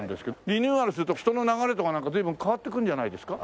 リニューアルすると人の流れとかなんか随分変わってくるんじゃないですか？